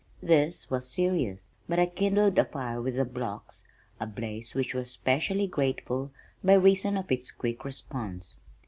This was serious, but I kindled a fire with the blocks, a blaze which was especially grateful by reason of its quick response.